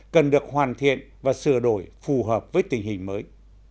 cần được hoàn thiện và sửa đổi phù hợp với tình hình mới